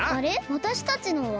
わたしたちのは？